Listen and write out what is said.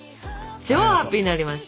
超ハッピーになりました。